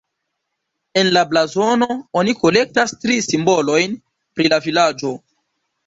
En la blazono oni kolektas tri simbolojn pri la vilaĝo.